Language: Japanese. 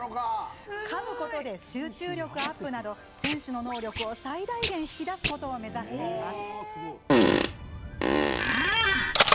かむことで、集中力アップなど選手の能力を最大限、引き出すことを目指しています。